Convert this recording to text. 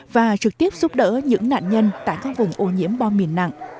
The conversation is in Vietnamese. và trực tiếp giúp đỡ những nạn nhân tại các vùng ô nhiễm bom mìn nặng